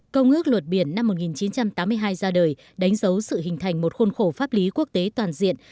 công ước luật biển năm một nghìn chín trăm tám mươi hai ra đời đánh dấu sự hình thành một khuôn khổ pháp lý quốc tế toàn diện